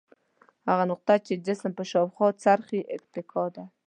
هغه نقطه چې جسم په شاوخوا څرخي اتکا ده.